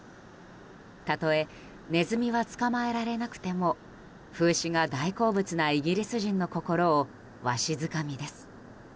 たとえネズミは捕まえられなくても風刺が大好物なイギリス人の心をわしづかみです。